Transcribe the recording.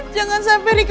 jangan sampai riki